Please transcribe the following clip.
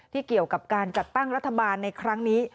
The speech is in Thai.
เกี่ยวกับการจัดตั้งรัฐบาลในครั้งนี้